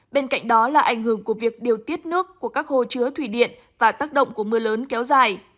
bên cạnh đó là ảnh hưởng của việc điều tiết nước của các hồ chứa thủy điện và tác động của mưa lớn kéo dài